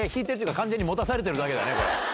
完全に持たされてるだけだね。